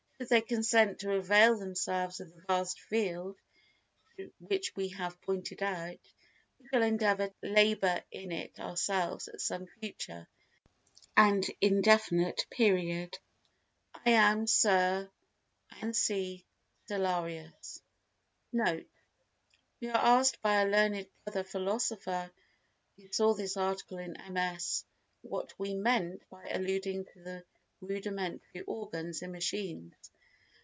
Should they consent to avail themselves of the vast field which we have pointed out, we shall endeavour to labour in it ourselves at some future and indefinite period. I am, Sir, &c., CELLARIUS. NOTE.—We were asked by a learned brother philosopher who saw this article in MS. what we meant by alluding to rudimentary organs in machines.